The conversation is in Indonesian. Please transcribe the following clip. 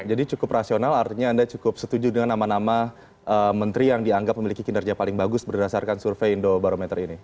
jadi cukup rasional artinya anda cukup setuju dengan nama nama menteri yang dianggap memiliki kinerja paling bagus berdasarkan survei indobarometer ini